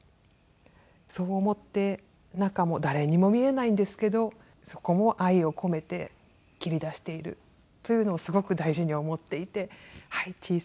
そう思って中も誰にも見えないんですけどそこも愛を込めて切り出しているというのをすごく大事に思っていて小さい作品も。